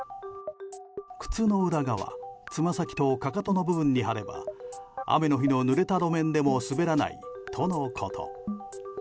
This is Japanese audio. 靴の裏側つま先とかかとの部分に貼れば雨の日のぬれた路面でも滑らないとのこと。